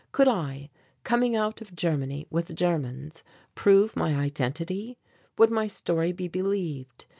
Could I, coming out of Germany with Germans prove my identity? Would my story be believed?